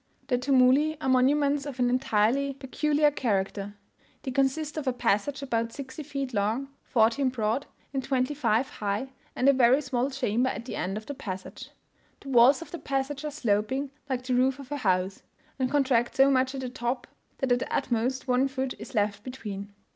The tumuli are monuments of an entirely peculiar character; they consist of a passage about sixty feet long, fourteen broad, and twenty five high, and a very small chamber at the end of the passage. The walls of the passage are sloping, like the roof of a house, and contract so much at the top, that at the utmost one foot is left between.